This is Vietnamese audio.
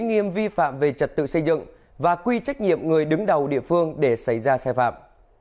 sự lý nghiêm vi phạm về trật tự xây dựng và quy trách nhiệm người đứng đầu địa phương để xảy ra xe phạm